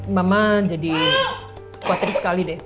mama jadi khawatir sekali deh